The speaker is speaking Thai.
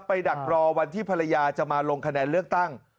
ดักรอวันที่ภรรยาจะมาลงคะแนนเลือกตั้ง